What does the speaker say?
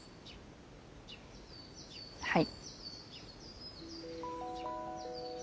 はい。